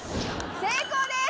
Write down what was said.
成功です！